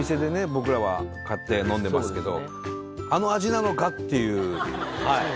僕らは買って飲んでますけど。